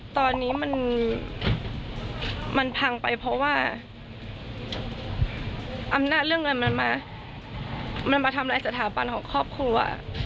ตอนนี้มันพังไปเพราะว่าอำนาจเรื่องเงินมันมาทำลายสถาบันของครอบครัว